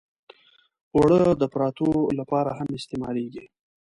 اوړه د پراتو لپاره هم استعمالېږي